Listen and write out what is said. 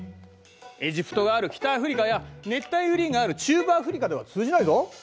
エジプトがある北アフリカや熱帯雨林がある中部アフリカでは通じないぞ。